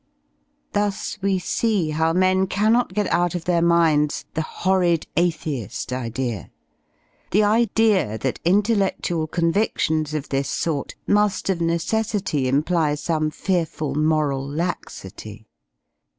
Thus we see how men cannot get out of their minds "the horrid athei^" idea — the idea that intellec tual convi6lions of this sort mu^ of necessity imply some fearful moral laxity.